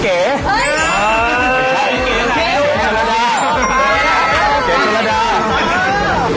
เก๋เจ้อลัตตา